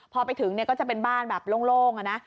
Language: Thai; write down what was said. พอไปถึงก็จะเป็นบ้านแบบโล่งนะ